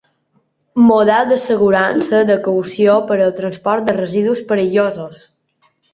Model d'assegurança de caució per al transport de residus perillosos.